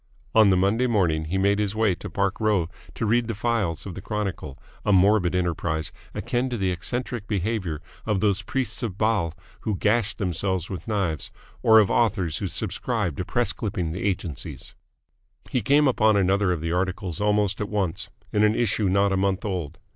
On the Monday morning he made his way to Park Row to read the files of the Chronicle a morbid enterprise, akin to the eccentric behaviour of those priests of Baal who gashed themselves with knives or of authors who subscribe to press clipping agencies. He came upon another of the articles almost at once, in an issue not a month old.